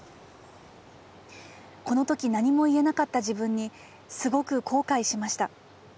このとき何も言えなかった自分に凄く後悔しました。